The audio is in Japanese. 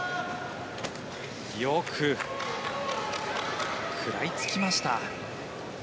よく食らいつきました。